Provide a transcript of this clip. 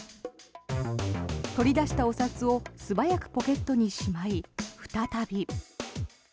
取り出したお札を素早くポケットにしまい再び。